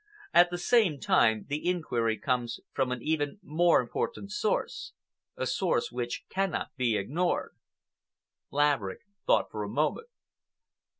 At the same time, the inquiry comes from an even more important source,—a source which cannot be ignored." Laverick thought for a moment.